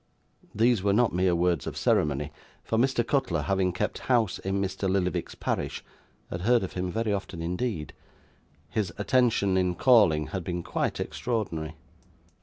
These were not mere words of ceremony; for, Mr. Cutler, having kept house in Mr. Lillyvick's parish, had heard of him very often indeed. His attention in calling had been quite extraordinary.